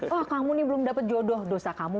wah kamu ini belum dapat jodoh dosa kamu